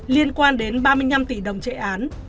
liên quan đến ba mươi năm tỷ đồng chạy án